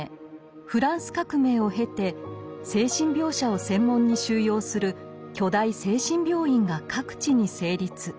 フランス革命を経て精神病者を専門に収容する巨大精神病院が各地に成立。